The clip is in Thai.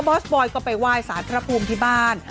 บอสบอยก็ไปว่ายศาสตร์พระภูมิที่บ้าน